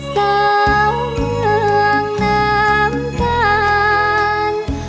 เสาเหลืองน้ำกาล